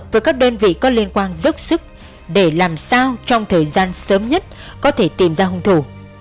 với các đơn vị có liên quan dốc sức để làm sao trong thời gian sớm nhất có thể tìm ra hung thủ